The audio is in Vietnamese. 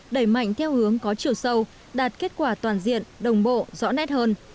đẩy mạnh theo hướng có chiều sâu đạt kết quả toàn diện đồng bộ rõ nét hơn